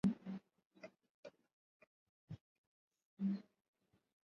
kutoka Brazil Swansea Oxford na Cambridge wamegundua